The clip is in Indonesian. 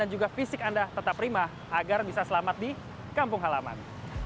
dan juga fisik anda tetap rimah agar bisa selamat di kampung halaman